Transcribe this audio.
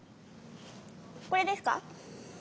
「これ」ですか？